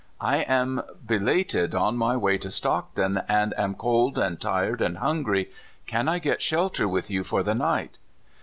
" I am belated on my way to Stockton, and am cold and tired and hungry. Can I get shelter with you for the night?